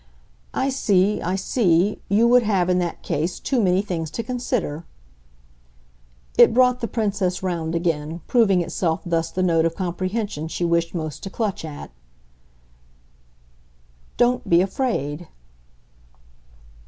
"I see, I see; you would have in that case too many things to consider." It brought the Princess round again, proving itself thus the note of comprehension she wished most to clutch at. "Don't be afraid."